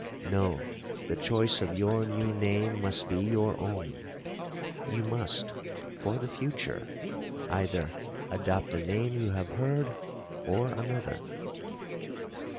'—'No; the choice of your new name must be your own—you must, for the future, either adopt the name you have heard, or another.'